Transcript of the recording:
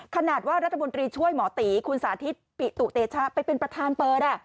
ขนาดว่ารัฐมนตรีช่วยหมอตีคุณสาธิตปิตุเตชะไปเป็นประธานเปิด